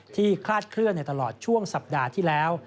คลาดเคลื่อนในตลอดช่วงสัปดาห์ที่แล้ว